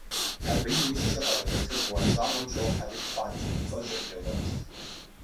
Абы иужькӀэ Къарэбатыр бгъуэнщӀагъым щӀохьэри пхъуантэ фӀыцӀэжьыр къегъуэт.